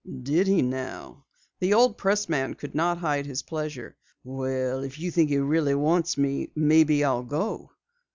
"Did he now?" The old pressman could not hide his pleasure. "Well, if you think he really wants me, maybe I'll go."